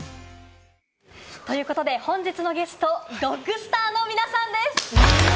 ということで本日のゲスト、Ｄｏｇｓｔａｒの皆さんです。